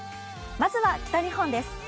まずは北日本です。